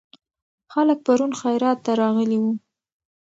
خلک پرون خیرات ته راغلي وو.